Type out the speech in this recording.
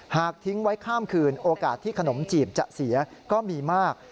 ทิ้งไว้ข้ามคืนโอกาสที่ขนมจีบจะเสียก็มีมาก